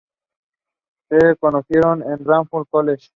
Se conocieron en Radford College.